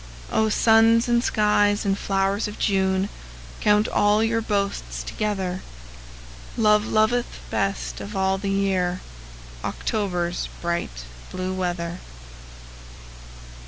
O suns and skies and flowers of June, Count all your boasts together, Love loveth best of all the year October's bright blue weather.